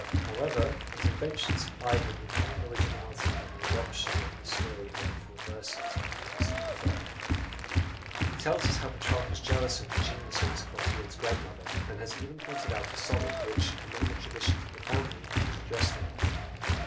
However, his invention supplied him with more originality than the adoption of this story and the four verses would lead us to infer. He tells us how Petrarch was jealous of the genius of his Clotilde's grandmother, and has even pointed out a sonnet which, "among the traditions of the family," was addressed to her!